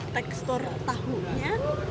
kalau tekstur tahunya